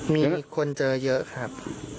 มีคนเจอเยอะครับ